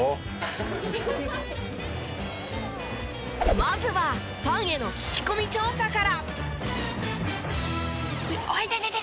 まずはファンへの聞き込み調査から！